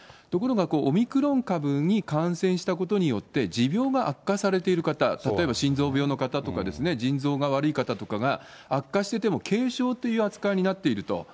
ところがオミクロン株に感染したことによって、持病が悪化されている方、例えば、心臓病の方とかですね、腎臓が悪い方とかが悪化してても、軽症という扱いになっていると。